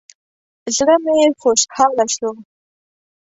زړه مې خوشحاله شو.